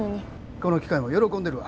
この機械も喜んでるわ。